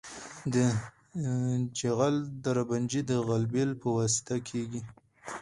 د جغل درجه بندي د غلبیل په واسطه کیږي